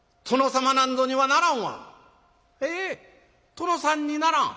殿さんにならん？